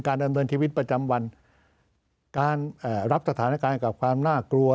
การดำเนินชีวิตประจำวันรับสถานการณ์กลับภารกับความน่ากลัว